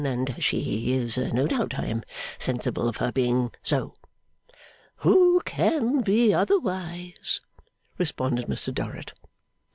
And she is, no doubt. I am sensible of her being so.' 'Who can be otherwise?' responded Mr Dorrit.